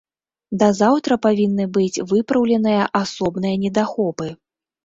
Да заўтра павінны быць выпраўленыя асобныя недахопы.